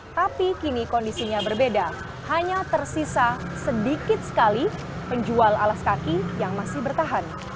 tapi kini kondisinya berbeda hanya tersisa sedikit sekali penjual alas kaki yang masih bertahan